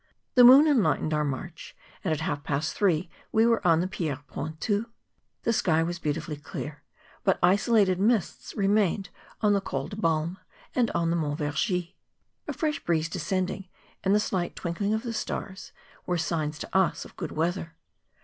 The moon enlightened our march; and at half past three we were on the Pierres Pointues. The sky was beautifully clear, but isolated mists remained on the Col de Balme, and on the Mont Vergy. A fresh breeze descending, and the slight twinkling of the stars, were signs to us of good weather.